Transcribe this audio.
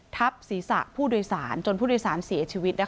ทับศีรษะผู้โดยสารจนผู้โดยสารเสียชีวิต